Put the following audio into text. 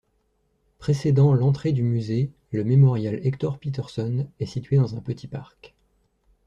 Précédant l'entrée du musée, le mémorial Hector Pieterson est situé dans un petit parc.